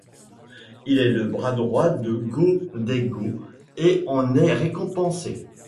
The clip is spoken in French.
Il est le bras droit de Go-Daigo et en est récompensé.